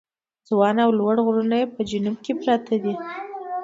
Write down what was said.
ځوان او لوړ غرونه یې په جنوب کې پراته دي.